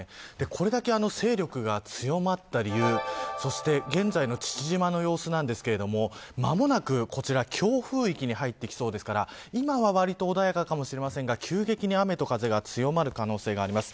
これだけ勢力が強まった理由そして現在の父島の様子なんですが間もなく、こちら強風域に入ってきそうですから今はわりと穏やかかもしれませんが、急激に雨と風が強まる可能性があります。